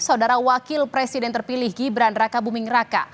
saudara wakil presiden terpilih gibran raka buming raka